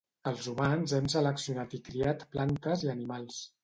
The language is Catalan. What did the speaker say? els humans hem seleccionat i criat plantes i animals